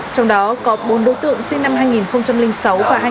trong đó có bốn đối tượng sinh năm hai nghìn sáu và hai nghìn hai